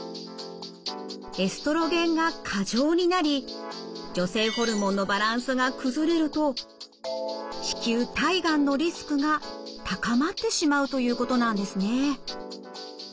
エストロゲンが過剰になり女性ホルモンのバランスが崩れると子宮体がんのリスクが高まってしまうということなんですね。